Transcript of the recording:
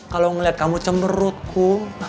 kalau melihat kamu cemerutku